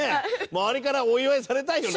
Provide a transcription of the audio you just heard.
周りからお祝いされたいよね。